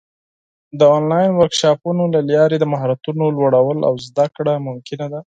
د آنلاین ورکشاپونو له لارې د مهارتونو لوړول او زده کړه ممکنه ده.